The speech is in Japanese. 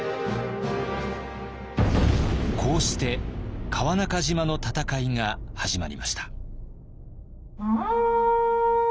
こうして川中島の戦いが始まりました。